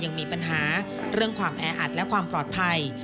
ยังมีปัญหาเรื่องความแออัดและความปลอดภัย